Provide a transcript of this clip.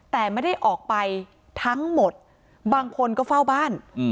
แต่ไม่ได้ออกไปทั้งหมดบางคนก็เฝ้าบ้าน